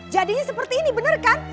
jadinya seperti ini benar kan